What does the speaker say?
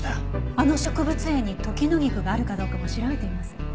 あの植物園にトキノギクがあるかどうかも調べてみます。